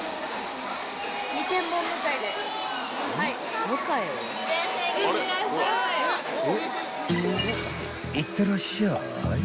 ［いってらっしゃい？